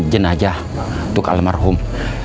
jenazah untuk almarhum